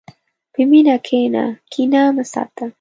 په مینه کښېنه، کینه مه ساته.